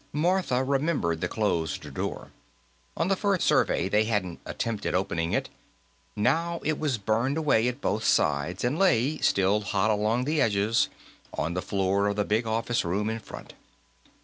Martha remembered the closed door; on the first survey, they hadn't attempted opening it. Now it was burned away at both sides and lay, still hot along the edges, on the floor of the big office room in front.